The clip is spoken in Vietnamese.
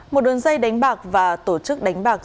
một đường dây đánh bạc và tổ chức đánh bạc